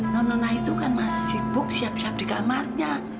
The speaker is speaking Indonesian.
nonona itu kan masih sibuk siap siap di kamarnya